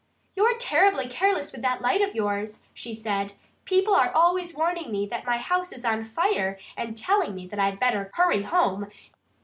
"You're terribly careless with that light of yours," she said. "People are always warning me that my house is on fire and telling me that I'd better hurry home.